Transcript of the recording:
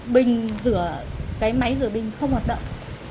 bình rửa máy rửa bình không hoạt động